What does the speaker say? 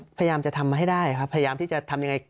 พยายามจะทำให้ได้ครับพยายามที่จะทำยังไง